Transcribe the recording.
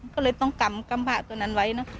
ก็เลยต้องกำผ่าตัวนั้นไว้